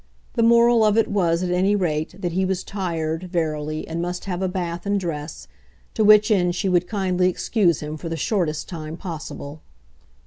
The moral of it was, at any rate, that he was tired, verily, and must have a bath and dress to which end she would kindly excuse him for the shortest time possible.